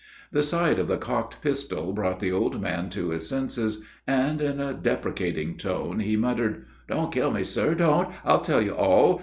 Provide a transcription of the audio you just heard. The sight of the cocked pistol brought the old man to his senses, and, in a deprecating tone, he muttered: "Don't kill me, sir, don't, I'll tell you all.